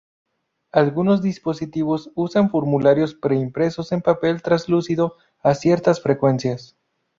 Algunos dispositivos usan formularios pre-impresos en papel translúcido a ciertas frecuencias.